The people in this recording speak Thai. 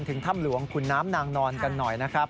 ถึงถ้ำหลวงขุนน้ำนางนอนกันหน่อยนะครับ